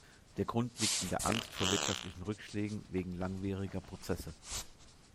Der Grund liegt in der Angst vor wirtschaftlichen Rückschlägen wegen langwieriger Prozesse.